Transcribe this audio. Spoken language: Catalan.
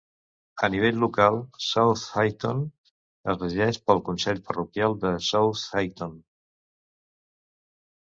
A nivell local, South Heighton es regeix pel Consell Parroquial de South Heighton.